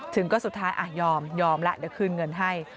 ถึงก็สุดท้ายยอมยอมแล้วเดี๋ยวคืนเงินให้